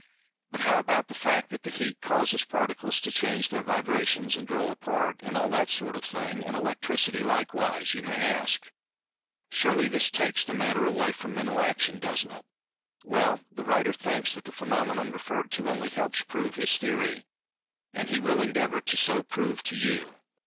"But, how about the fact that Heat causes the Particles to change their vibrations, and draw apart, and all that sort of thing—and Electricity, likewise?" you may ask. "Surely this takes the matter away from Mental Action, doesn't it?" Well, the writer thinks that the phenomenon referred to only helps to prove his theory. And he will endeavor to so prove to you.